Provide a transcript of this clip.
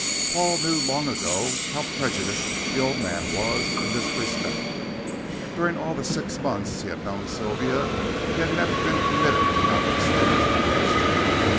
Paul knew long ago how prejudiced the old man was in this respect. During all the six months he had known Sylvia he had never been permitted to mount the stairs in question.